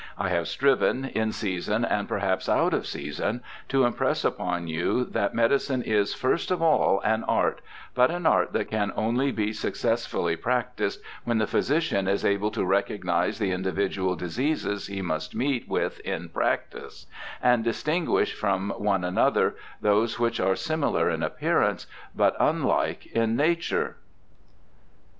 I have striven, in season and perhaps out of season, to impress upon you that medicine is, first of all, an art, but an art that can only be success fully practised when the physician is able to recognize the individual diseases he must meet with in practice, and distinguish from one another those which are similar in appearance, but unlike in nature.'